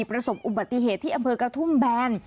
ประสบอุบัติเหตุที่อำเภอกระทุ่มแบน